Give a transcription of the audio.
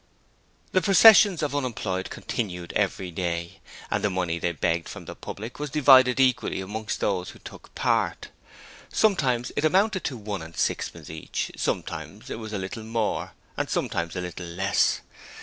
The processions of unemployed continued every day, and the money they begged from the public was divided equally amongst those who took part. Sometimes it amounted to one and sixpence each, sometimes it was a little more and sometimes a little less.